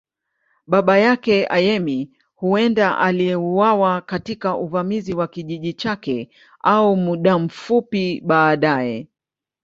Baba yake, Ayemi, huenda aliuawa katika uvamizi wa kijiji chake au muda mfupi baadaye.